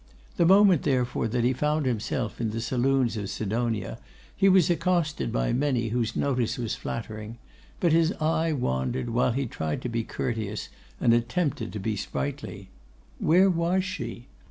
The moment, therefore, that he found himself in the saloons of Sidonia, he was accosted by many whose notice was flattering; but his eye wandered, while he tried to be courteous and attempted to be sprightly. Where was she?